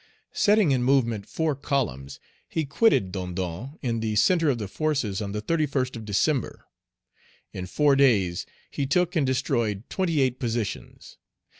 Setting in movement four columns, he quitted Dondon in the centre of the forces on the 31st of December. In four days, he took and destroyed twenty eight positions.